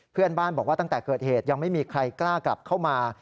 เพื่อนบ้านบอกว่าตั้งแต่เกิดเหตุยังไม่มีใครกล้ากลับเข้ามา